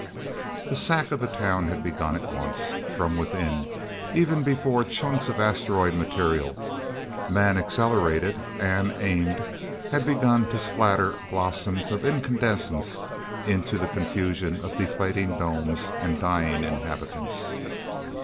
The sack of the town had begun at once, from within, even before chunks of asteroid material, man accelerated and aimed, had begun to splatter blossoms of incandescence into the confusion of deflating domes and dying inhabitants.